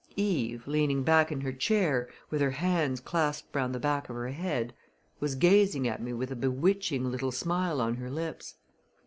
Eve, leaning back in her chair, with her hands clasped round the back of her head, was gazing at me with a bewitching little smile on her lips.